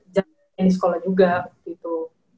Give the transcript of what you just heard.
jalan sekolah juga gitu